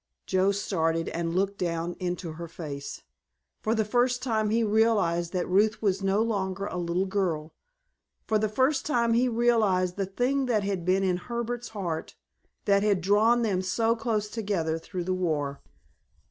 Joe started and looked down into her face. For the first time he realized that Ruth was no longer a little girl. For the first time he realized the thing that had been in Herbert's heart, that had drawn them so close together through the war.